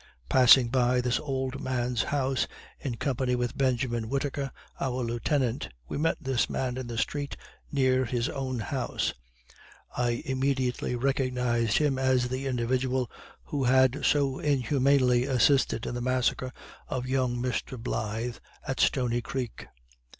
Passing by this old man's house, in company with Benjamin Whitaker, our Lieutenant, we met this man in the street near his own house; I immediately recognized him as the individual who had so inhumanly assisted in the massacre of young Mr. Blythe, at Stony creek.